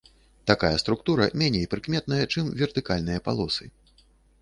Такая структура меней прыкметная, чым вертыкальныя палосы.